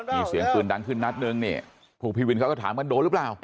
มีเสียงปืนดังขึ้นนัดนึงนี่ผู้พี่วินเขาก็ถามกันโดนหรือเปล่า